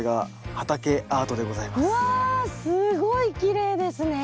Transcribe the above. すごいきれいですね。